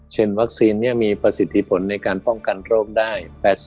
วัคซีนมีประสิทธิผลในการป้องกันโรคได้๘๐